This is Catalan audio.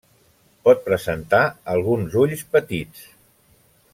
Pot presentar alguns ulls petits.